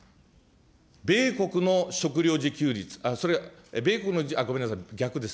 米国の食料自給率、それ、米国の、あ、ごめんなさい、逆です。